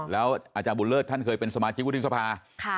แล้วอาจารย์บุญเลิศท่านเคยเป็นสมาชิกวุฒิสภา